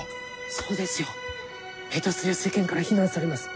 そうですよ下手すりゃ世間から非難されます。